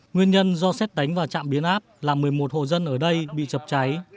nguyên nhân do xét tánh vào trạm biến áp là một mươi một hộ dân ở đây bị chập cháy